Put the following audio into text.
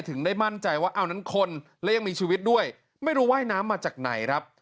ถึงได้มั่นใจว่าเอานั้นคนและยังมีชีวิตด้วยไม่รู้ว่ายน้ำมาจากไหนครับ